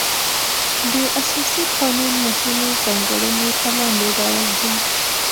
د اساسي قانون مهمې ځانګړنې په لاندې ډول دي.